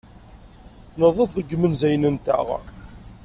Neḍḍef deg yimenzayen-nteɣ.